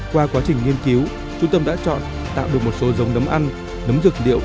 qua quá trình nghiên cứu trung tâm đã chọn tạo được một số dòng nấm ăn nấm dược điệu